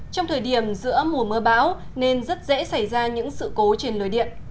trong thời điểm giữa mùa mưa bão nên rất dễ xảy ra những sự cố trên lưới điện